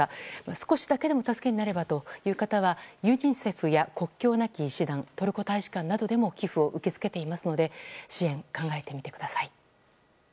少しだけでも助けになればという方はユニセフや国境なき医師団トルコ大使館などでも寄付を受け付けていますので支援、考えてみてください。